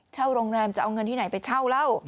โรงแรมจะเอาเงินที่ไหนไปเช่าเหล้า